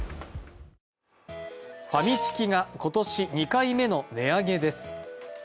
ファミチキが今年２回目の値上げです。